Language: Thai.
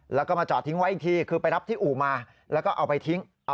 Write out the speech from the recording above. แล้วก็มาจอดทิ้งไว้อีกทีคือไปรับที่อู่มาแล้วก็เอาไปทิ้ง